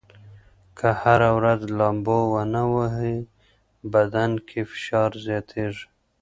که هره ورځ لامبو ونه ووهئ، بدن کې فشار زیاتېږي.